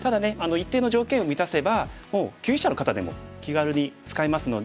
一定の条件を満たせば級位者の方でも気軽に使えますので。